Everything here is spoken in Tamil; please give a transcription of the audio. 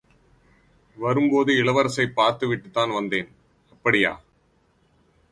வரும்போது இளவரசைப் பார்த்து விட்டுத்தான் வந்தேன். அப்படியா?